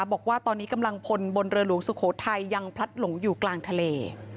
บอกว่าตอนนี้กำลังพลบนเรือหลวงสุโขทัยยังพลัดหลงอยู่กลางทะเล